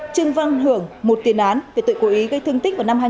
trương văn hưởng một tiền án về tội cố ý gây thương tích vào năm hai nghìn một mươi sáu